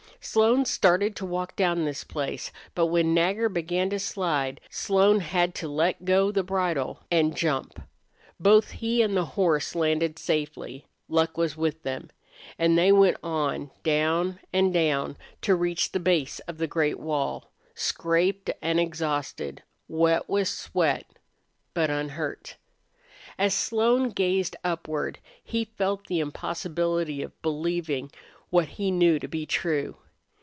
Slone started to walk down this place, but when Nagger began to slide Slone had to let go the bridle and jump. Both he and the horse landed safely. Luck was with them. And they went on, down and down, to reach the base of the great wall, scraped and exhausted, wet with sweat, but unhurt. As Slone gazed upward he felt the impossibility of believing what he knew to be true.